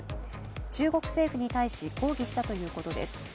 中国政府に対し抗議したということです。